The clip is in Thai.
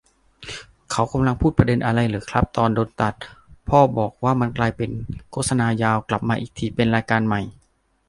เขากำลังพูดประเด็นอะไรเหรอครับ ตอนโดนตัด พ่อบอกว่ามันกลายเป็นโฆษณายาว กลับมาอีกทีเป็นรายการใหม่